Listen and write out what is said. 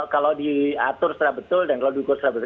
kalau diatur secara betul dan kalau diukur secara betul